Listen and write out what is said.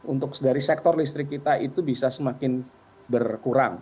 untuk dari sektor listrik kita itu bisa semakin berkurang